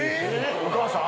お母さん？